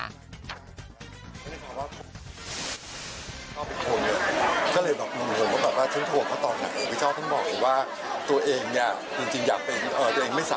ไม่ได้ชอบว่าพี่ต้อเป็นคนเนี่ยก็เลยแบบผมเห็นว่าแบบว่าฉันโทรเขาตอบไหน